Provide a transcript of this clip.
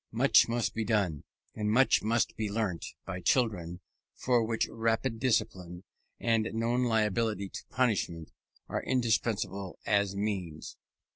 Much must be done, and much must be learnt, by children, for which rigid discipline, and known liability to punishment, are indispensable as means.